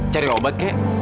cari obat kek